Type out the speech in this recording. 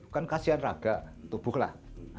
kan kasihan raga tubuh lah